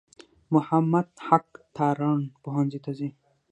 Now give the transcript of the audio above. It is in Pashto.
محمد حق تارڼ پوهنځي ته ځي.